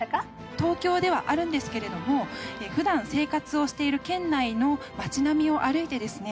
東京ではあるんですけれども普段生活をしている圏内のまち並みを歩いてですね